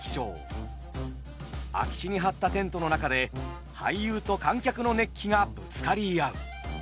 空き地に張ったテントの中で俳優と観客の熱気がぶつかり合う。